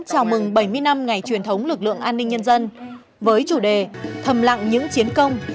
chào mừng bảy mươi năm ngày truyền thống lực lượng an ninh nhân dân với chủ đề thầm lặng những chiến công